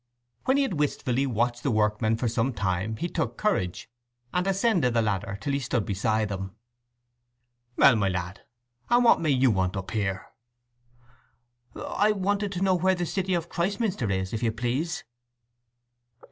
When he had wistfully watched the workmen for some time he took courage, and ascended the ladder till he stood beside them. "Well, my lad, and what may you want up here?" "I wanted to know where the city of Christminster is, if you please."